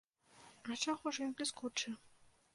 А чаго ж ён бліскучы?